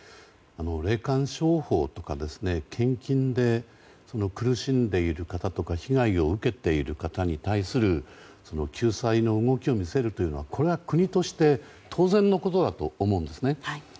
霊感商法とか献金で苦しんでいる方とか被害を受けている方に対する救済の動きを見せるというのはこれは、国として当然のことだと思うんですね。